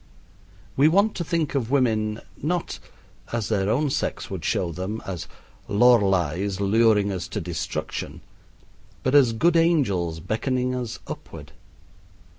We want to think of women not as their own sex would show them as Lorleis luring us to destruction, but as good angels beckoning us upward.